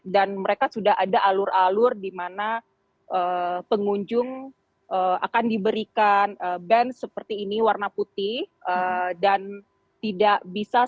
dan mereka sudah ada alur alur di mana pengunjung akan diberikan bens seperti ini warna putih dan tidak bisa